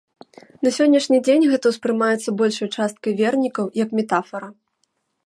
На сённяшні дзень гэта ўспрымаецца большай часткаю вернікаў як метафара.